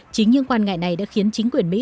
chính những quan ngại này đã khiến chính quyền mỹ